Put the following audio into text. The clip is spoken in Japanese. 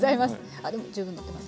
あっでも十分のってます。